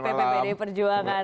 ketua dppbd perjuangan